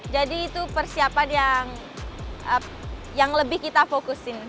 jadi itu persiapan yang lebih kita fokusin